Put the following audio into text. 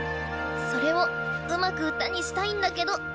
それをうまく歌にしたいんだけど。